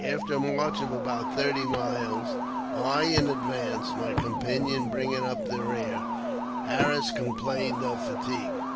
After a march of about thirty miles, I in advance, my companion bringing up the rear, Harris com plained of fatigue.